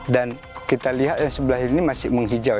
dan kita lihat yang sebelah ini masih menghijau